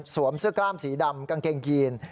เสื้อกล้ามสีดำกางเกงยีน